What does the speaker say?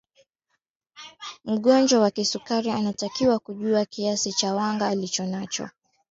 mgonjwa wa kisukari anatakiwa kujua kiasi cha wanga alichonacho